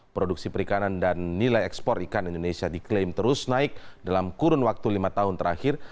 produksi perikanan dan nilai ekspor ikan indonesia diklaim terus naik dalam kurun waktu lima tahun terakhir